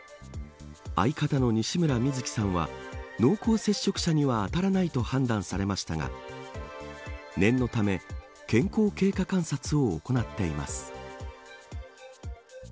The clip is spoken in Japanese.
相方の西村瑞樹さんは濃厚接触者にはあたらないと判断されましたが念のため、健康経過観察を行っています。